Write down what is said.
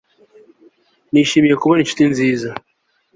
Nishimiye kubona inshuti nziza cyane